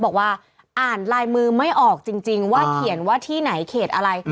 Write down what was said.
บอกว่าอ่านลายมือไม่ออกจริงว่าเขียนว่าที่ไหนเขตอะไร